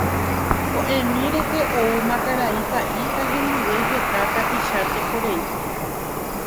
Ko'ẽmi rehe oúma karai Pa'i ha hendive heta tapicha tekorei.